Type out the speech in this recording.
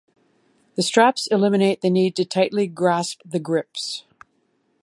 The straps eliminate the need to tightly grasp the grips.